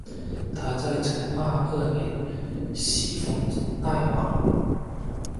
他在成化二年袭封代王。